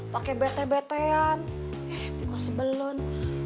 pake bete betean ih pika sebelon